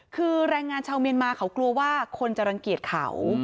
คือแรงงานชาวเมียนมาเขากลัวว่าคนจะรังเกียจเขา